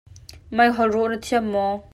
Meihol rawh na thiam maw?